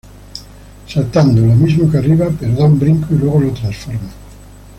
Saltando: Lo mismo que arriba pero da un brinco y luego lo transforma.